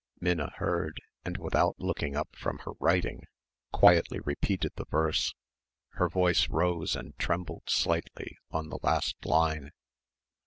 Minna heard and without looking up from her writing quietly repeated the verse. Her voice rose and trembled slightly on the last line.